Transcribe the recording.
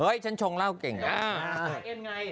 เฮ้ยฉันชงเล่าเก่งอ่ะสายเอ็นไง